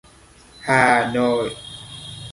Hà Nội